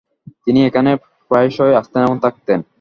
তিনি এখানে প্রায়শই আসতেন এবং থাকতেন।